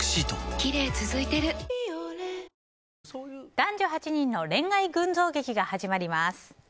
男女８人の恋愛群像劇が始まります。